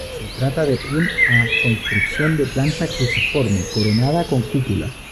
Se trata de un a construcción de planta cruciforme, coronada con cúpula.